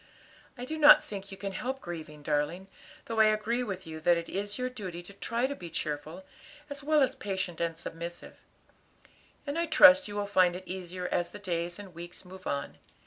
"I do not think you can help grieving, darling, though I agree with you that it is your duty to try to be cheerful, as well as patient and submissive; and I trust you will find it easier as the days and weeks move on.